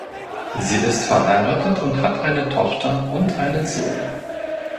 Sie ist verheiratet und hat eine Tochter und einen Sohn.